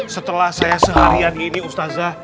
setelah saya seharian gini ustazah